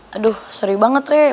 aduh seri banget rek